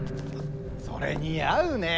それ似合うねえ。